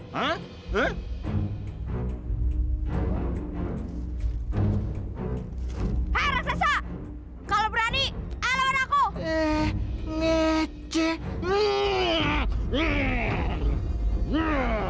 sampai jumpa di video selanjutnya